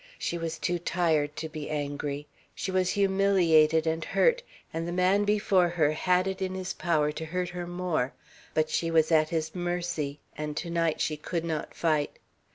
She was too tired to be angry. She was humiliated and hurt, and the man before her had it in his power to hurt her more, but she was at his mercy and to night she could not fight.